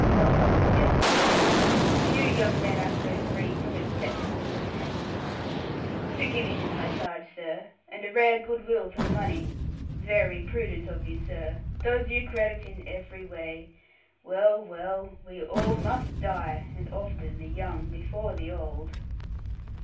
Ha, ha! Yes, yes! Few young men are so free from exceptionable entanglements. Two guineas is my charge, sir: and a rare good will for the money. Very prudent of you, sir. Does you credit in every way. Well, well; we all must die; and often the young before the old.'